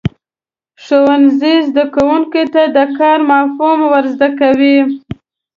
ښوونځی زده کوونکو ته د کار مفهوم ورزده کوي.